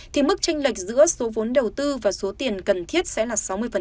thì mức tranh lệch giữa số vốn đầu tư và số tiền cần thiết sẽ là sáu mươi